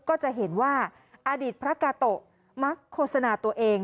ก็จะเห็นว่าอดีตพระกาโตะมักโฆษณาตัวเอง